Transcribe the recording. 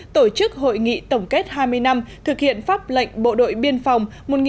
tổ chức hội nghị tổng kết hai mươi năm thực hiện pháp lệnh bộ đội biên phòng một nghìn chín trăm chín mươi bảy hai nghìn một mươi bảy